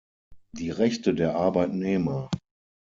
Die Rechte der Arbeitnehmer.